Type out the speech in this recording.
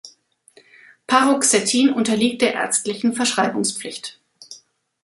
Paroxetin unterliegt der ärztlichen Verschreibungspflicht.